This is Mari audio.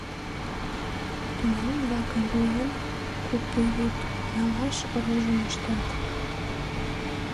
Тунам, вакым руэн, куп вӱд налаш рожым ыштат.